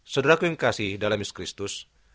saudaraku yang kasih dalam yesus kristus